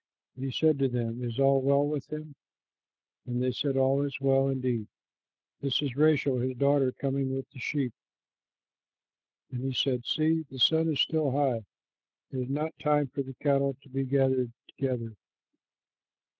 And he said to them, "Is all well with him?" And they said, "All is well; indeed, this is Rachel his daughter coming with the sheep." And he said, "See, the sun is still high! It is not time for the cattle to be gathered together.